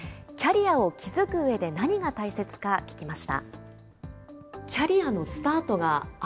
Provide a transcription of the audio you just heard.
キャリアを築くうえで何が大切か、聞きました。